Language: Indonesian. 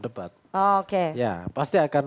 debat ya pasti akan